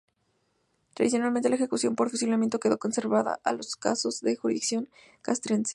Tradicionalmente la ejecución por fusilamiento quedó reservada a los casos de jurisdicción castrense.